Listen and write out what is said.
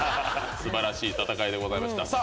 素晴らしい戦いでございました。